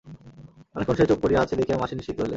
অনেকক্ষণ সে চুপ করিয়া আছে দেখিয়া মাসি নিশ্চিত হইলেন।